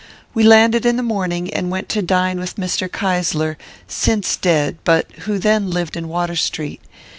We landed in the morning, and went to dine with Mr. Keysler, since dead, but who then lived in Water Street.